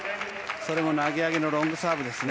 最後の投げ上げのロングサーブですね。